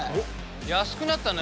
安くなったね。